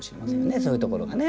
そういうところがね。